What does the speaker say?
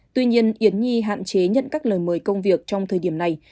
tuy nhiên yến nhi hạn chế nhận các lời mời công việc trong thời điểm này